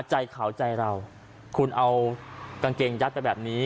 ใจขาวใจเราคุณเอากางเกงยัดไปแบบนี้